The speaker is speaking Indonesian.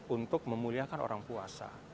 untuk memuliakan orang puasa